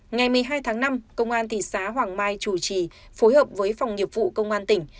ngày một mươi hai tháng năm công an thị xã hoàng mai chủ trì phối hợp với phòng nghiệp vụ công an tỉnh